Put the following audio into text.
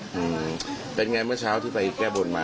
มื้อเป็นอย่างไรเมื่อเช้าที่ไปแก้บทมา